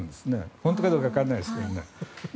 本当かどうかわからないですけど。